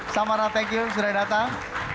samara thank you sudah datang